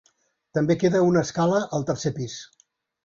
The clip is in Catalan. També queda una escala al tercer pis.